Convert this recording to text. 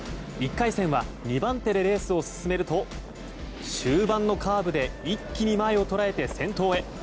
１回戦は２番手でレースを進めると終盤のカーブで一気に前を捉えて先頭へ。